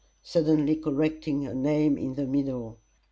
suddenly correcting her name in the middle.